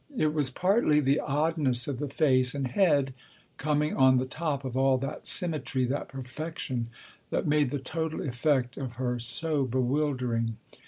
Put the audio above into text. It was partly the oddness of the face and head, coming on the top of all that symmetry, that perfection, that made the total effect of her so bewildering.